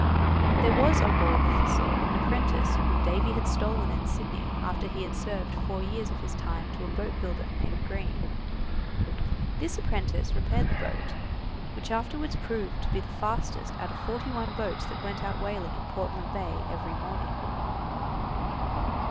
There was on board the 'Thistle' an apprentice whom Davy had stolen in Sydney after he had served four years of his time to a boat builder named Green. This apprentice repaired the boat, which afterwards proved to be the fastest out of forty one boats that went out whaling in Portland Bay every morning.